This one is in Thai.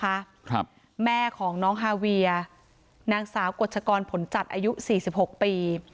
ครับแม่ของน้องฮาเวียนางสาวกฎชกรผลจัดอายุสี่สิบหกปี